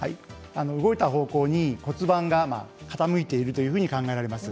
動いた方向に骨盤が傾いていると考えられます。